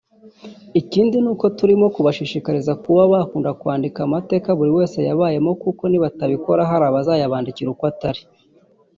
Ikindi ni uko turimo kubashishikariza kuba bakunda kwandika amateka buri wese yabayemo kuko nibatabikora hari abazayabandikira uko atari